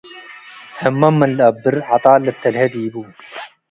. ህመም ምን ለአብር ዐጣል ልተልሄ ዲቡ፣